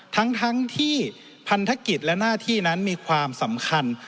ทั้งที่พันธกิจและหน้าที่นั้นมีความสำคัญ